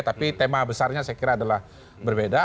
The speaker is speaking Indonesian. tapi tema besarnya saya kira adalah berbeda